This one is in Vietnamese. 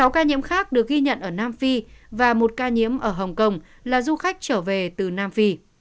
sáu ca nhiễm khác được ghi nhận ở nam phi và một ca nhiễm ở hồng kông là du khách trở về từ nam phi